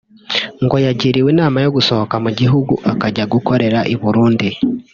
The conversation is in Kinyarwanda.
ngo yagiriwe inama yo gusohoka mu gihugu akajya gukorera i Burundi